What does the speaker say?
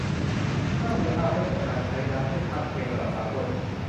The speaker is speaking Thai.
สร้างมูลค่าเพิ่มจากการใช้น้ำให้ทัดเทียมระดับสากล